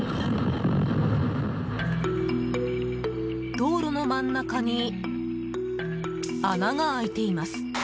道路の真ん中に穴が開いています。